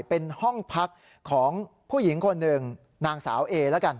เป็นห้องพักของผู้หญิงคนหนึ่งนางสาวเอละกัน